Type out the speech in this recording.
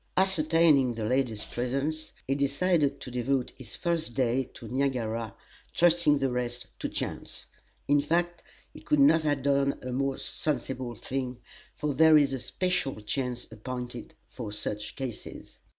Ascertaining the lady's presence, he decided to devote his first day to Niagara, trusting the rest to chance. In fact, he could not have done a more sensible thing, for there is a Special Chance appointed for such cases.